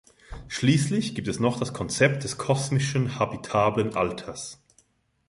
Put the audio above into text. Schließlich gibt es noch das Konzept des kosmischen habitablen Alters.